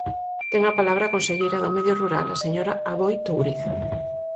Ten a palabra a conselleira do Medio Rural, a señora Aboi Touriz.